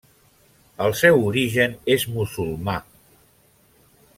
El seu origen és musulmà.